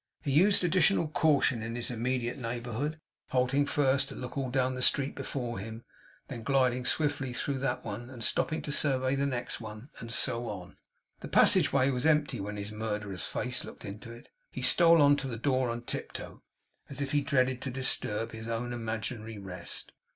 He used additional caution in his immediate neighbourhood; halting first to look all down the street before him; then gliding swiftly through that one, and stopping to survey the next, and so on. The passage way was empty when his murderer's face looked into it. He stole on, to the door on tiptoe, as if he dreaded to disturb his own imaginary rest.